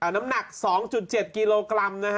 น้ำหนัก๒๗กิโลกรัม